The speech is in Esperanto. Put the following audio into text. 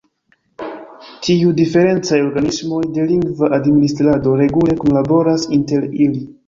Tiuj diferencaj organismoj de lingva administrado regule kunlaboras inter ili.